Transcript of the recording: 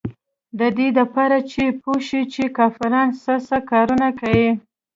د دې دپاره چې پوې شي چې کافران سه سه کارونه کيي.